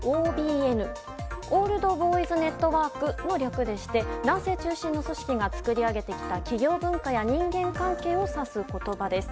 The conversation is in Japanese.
オールド・ボーイズ・ネットワークの略でして男性中心の組織が作り上げてきた企業文化や人間関係を指す言葉です。